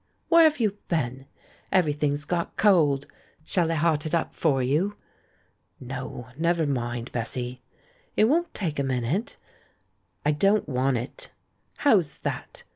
"Where have you been? Everything's got cold. Shall I hot it up for you?" "No, never mind, Bessy." "It won't take a minute." "I don't want it." "How's that?"